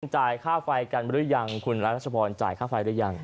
จ่ายค่าไฟกันหรือยังคุณรัชพรจ่ายค่าไฟหรือยัง